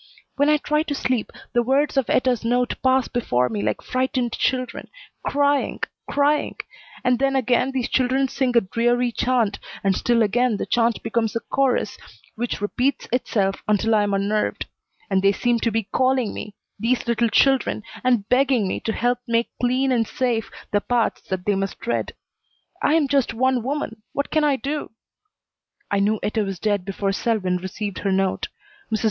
When I try to sleep the words of Etta's note pass before me like frightened children, crying crying, and then again these children sing a dreary chant, and still again the chant becomes a chorus which repeats itself until I am unnerved; and they seem to be calling me, these little children, and begging me to help make clean and safe the paths that they must tread. I am just one woman. What can I do? I knew Etta was dead before Selwyn received her note. Mrs.